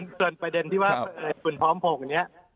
ส่วนประเด็นที่ว่าคุณพร้อมพงศ์เนี่ย